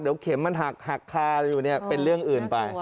เดี๋ยวเข็มมันหักหักคลาอะไรอยู่เป็นเรื่องอื่นไป